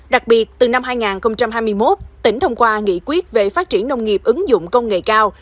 đặc biệt từ năm hai nghìn hai mươi một tỉnh thông qua nghị quyết về phát triển nông nghiệp ứng dụng công nghệ cao